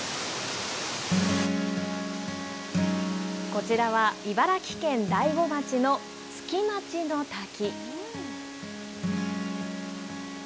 こちらは、茨城県大子町の月待の滝。